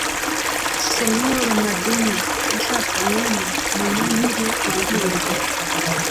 Señor Medena yashakanye na mama nkiri uruhinja.